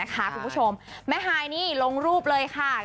คุณผู้ชมแม่ฮายนี่ลงรูปเลยค่ะ